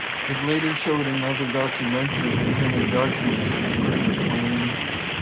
It later showed another documentary containing documents which proved the claim.